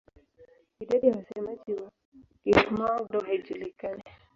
Idadi ya wasemaji wa Kihmong-Dô haijulikani.